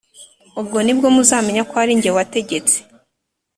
ubwo ni bwo muzamenya ko ari jye wategetse